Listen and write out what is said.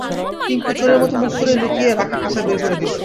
টিংকু চোরের মতো মুখ করে লুকিয়ে রাখা খাতা বের করে দিল।